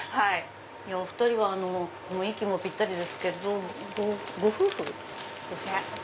お２人は息もぴったりですけどご夫婦ですか？